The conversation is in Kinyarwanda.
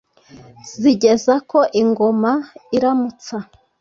zigeza ko ingoma iramutsa